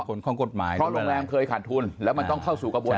เพราะโรงแรมเคยขาดทุนและมันต้องเข้าสุกระบวน